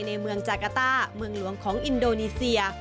ในเมืองจากาต้าเมืองหลวงของอินโดนีเซีย